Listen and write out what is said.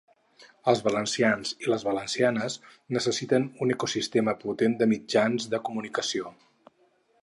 Els valencians i les valencianes necessitem un ecosistema potent de mitjans de comunicació.